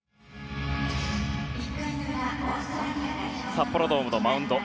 札幌ドームのマウンド